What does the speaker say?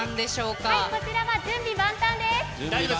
こちらは準備万端です。